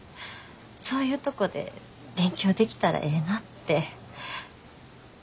そういうとこで勉強できたらええなって。